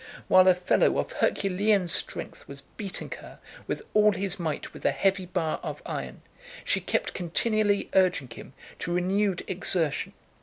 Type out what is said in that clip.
While a fellow of Herculean strength was beating her with all his might with a heavy bar of iron, she kept continually urging him to renewed exertion.